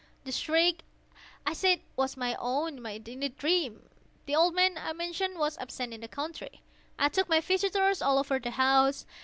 The shriek, I said, was my own in a dream. The old man, I mentioned, was absent in the country. I took my visitors all over the house.